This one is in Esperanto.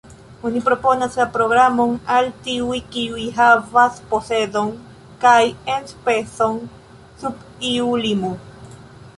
Oni proponas la programon al tiuj, kiuj havas posedon kaj enspezon sub iu limo.